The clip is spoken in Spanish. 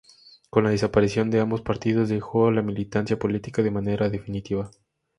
Con la desaparición de ambos partidos, dejó la militancia política de manera definitiva.